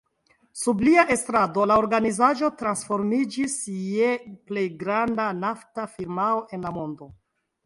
Sub lia estrado la organizaĵo transformiĝis je plej granda nafta firmao en la mondo.